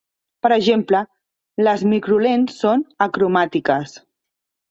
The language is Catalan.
Per exemple, les microlents són acromàtiques.